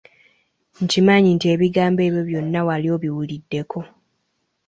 Nkimanyi nti ebigambo ebyo byonna wali obiwuliddeko.